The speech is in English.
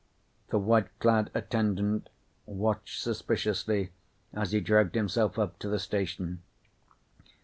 The white clad attendant watched suspiciously as he dragged himself up to the station.